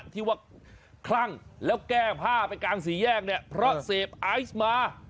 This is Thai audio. ที่ว่าคลั่งแล้วแก้ผ้าไปกลางสี่แยกเนี่ยเพราะเสพไอซ์มา